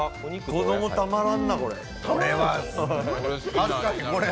子供、たまらんな、これ。